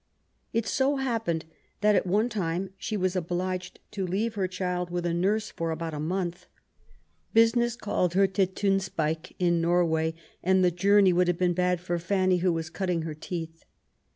It so happened that at one time she was obliged ta leave her child with her nurse for about a month. Business called her to Tonsberg in Norway, and the journey would have been bad for Fanny, who was cut ting her teeth.